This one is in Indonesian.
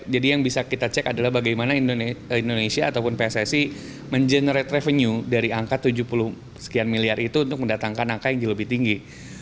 jadi yang bisa kita cek adalah bagaimana indonesia ataupun pssi mengenerate revenue dari angka tujuh puluh sekian miliar itu untuk mendatangkan angka yang lebih tinggi